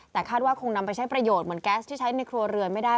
แต่คาดว่าคงนำไปใช้ประโยชน์เหมือนแก๊สที่ใช้ในครัวเรือนไม่ได้